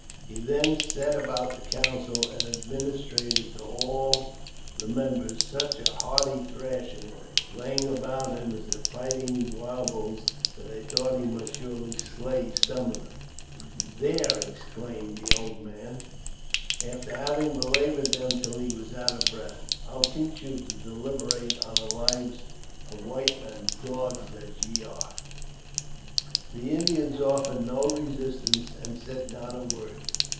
He then set about the council, and administered to all the members such a hearty thrashing, laying I n « 314 AUTOBIOGBAPHY OF aboiit him as if fighting wild bulls, that I thought he mus surely slay some of them. "There !" exclaimed the old man, after having belaboured them till he was out of breath, " I'll teach you to deliberate on the lives of white men, dogs as ye are !" The Indians offered no resistance, and said not a word.